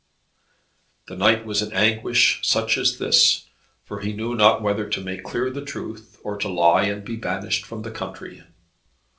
The knight was in anguish such as this, for he knew not whether to make clear the truth, or to lie and be banished from the country.